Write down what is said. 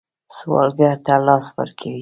سوالګر ته لاس ورکوئ